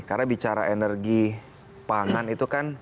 karena bicara energi pangan itu kan